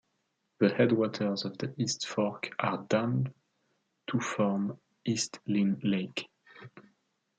The headwaters of the East Fork are dammed to form East Lynn Lake.